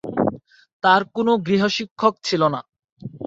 তার কোন গৃহশিক্ষক ছিল না।